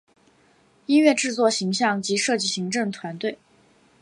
音乐制作形像及设计行政团队